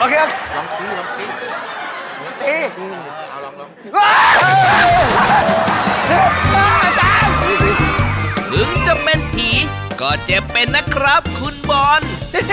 ถึงจะเป็นผีก็เจ็บเป็นนะครับคุณบอล